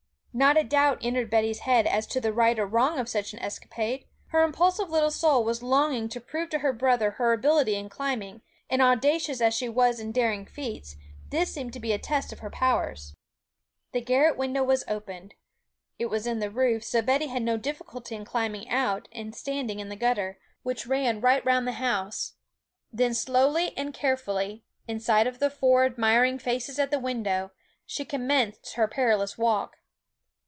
Not a doubt entered Betty's head as to the right or wrong of such an escapade; her impulsive little soul was longing to prove to her brother her ability in climbing, and audacious as she was in daring feats, this seemed to be a test of her powers. The garret window was opened; it was in the roof, so Betty had no difficulty in climbing out and standing in the gutter, which ran right round the house. Then slowly and carefully, in sight of the four admiring faces at the window, she commenced her perilous walk.